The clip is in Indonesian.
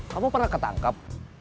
kamu pernah ketangkep